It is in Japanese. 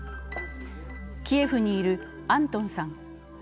キエフにいるアントンさん。